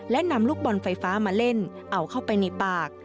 และนำลูกบอลไฟฟ้ามาเล่นเอาเข้าไปในปาก